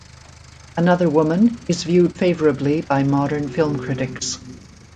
"Another Woman" is viewed favorably by modern film critics.